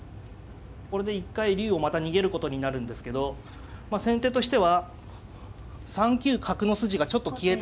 これで一回竜をまた逃げることになるんですけど先手としては３九角の筋がちょっと消えたので。